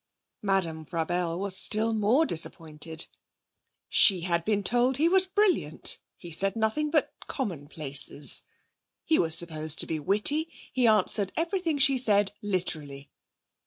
Madame Frabelle was still more disappointed. She had been told he was brilliant; he said nothing put commonplaces. He was supposed to be witty; he answered everything she said literally.